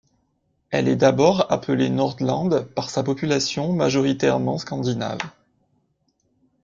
Elle est d'abord appelée Nordland par sa population majoritairement scandinave.